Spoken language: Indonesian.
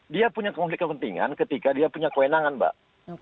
dia punya konflik kepentingan ketika dia punya kewenangan mbak